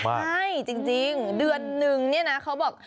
ใช่จริงเดือนหนึ่งเขาบอก